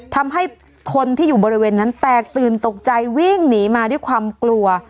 ทำให้คนที่อยู่บริเวณนั้นแตกตื่นตกใจวิ่งหนีมาด้วยความกลัว